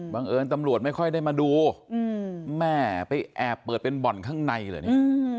เอิญตำรวจไม่ค่อยได้มาดูแม่ไปแอบเปิดเป็นบ่อนข้างในเหรอเนี่ย